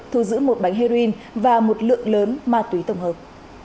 thu giữ một bánh heroin và một lượng lớn ma túy tổng hợp